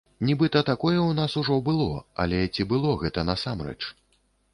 Нібыта, такое ў нас ужо было, але ці было гэта насамрэч?